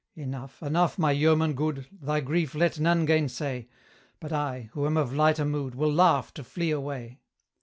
'Enough, enough, my yeoman good, Thy grief let none gainsay; But I, who am of lighter mood, Will laugh to flee away.'